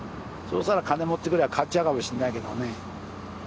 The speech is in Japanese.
そしたら金持ってくりゃ変わっちゃうかもしれないけどね。